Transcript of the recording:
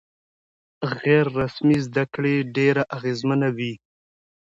غیر رسمي زده کړه ډېره اغېزمنه وي.